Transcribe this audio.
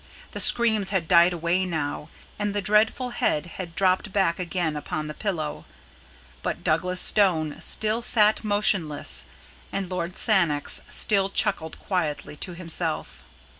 The screams had died away now, and the dreadful head had dropped back again upon the pillow, but Douglas Stone still sat motionless, and Lord Sannox still chuckled quietly to himself.